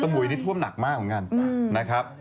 มุยนี่ท่วมหนักมากเหมือนกันนะครับ